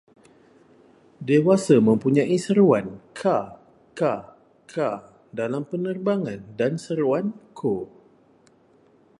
Dewasa mempunyai seruan ka-ka-ka dalam penerbangan dan seruan ko